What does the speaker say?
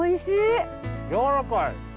やわらかい！